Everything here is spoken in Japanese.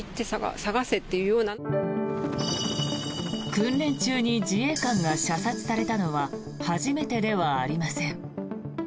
訓練中に自衛官が射殺されたのは初めてではありません。